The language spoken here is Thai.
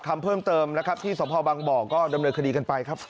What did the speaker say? คำเพิ่มเติมนะครับที่สพบังบ่อก็ดำเนินคดีกันไปครับ